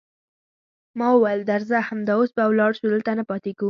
ما وویل: درځه، همدا اوس به ولاړ شو، دلته نه پاتېږو.